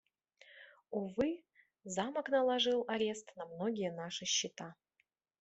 Увы, Замок наложил арест на многие наши счета.